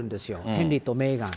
ヘンリーとメーガン。